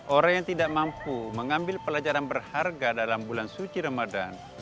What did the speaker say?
orang yang tidak mampu mengambil pelajaran berharga dalam bulan suci ramadan